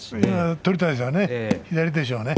取りたいですよね